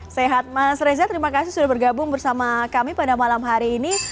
sehat mas reza terima kasih sudah bergabung bersama kami pada malam hari ini